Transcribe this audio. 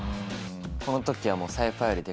この時はもう。